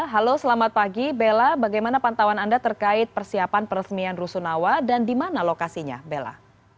halo selamat pagi bella bagaimana pantauan anda terkait persiapan peresmian rusunawa dan di mana lokasinya bella